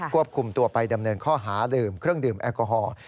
วบคุมตัวไปดำเนินข้อหาดื่มเครื่องดื่มแอลกอฮอล์